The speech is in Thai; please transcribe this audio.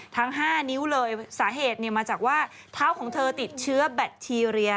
ทั้ง๕นิ้วเลยสาเหตุมาจากว่าเท้าของเธอติดเชื้อแบคทีเรีย